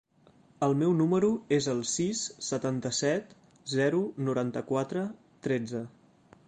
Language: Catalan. El meu número es el sis, setanta-set, zero, noranta-quatre, tretze.